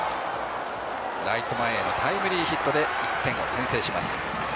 ライト前へのタイムリーヒットで１点を先制します。